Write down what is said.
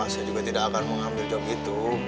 saya juga tidak akan mengambil job itu